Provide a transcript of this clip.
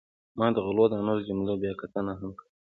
ما د غلو دانو د جملو بیاکتنه هم کړې.